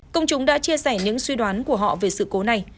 công chúng đã chia sẻ những suy đoán của họ về sự cố này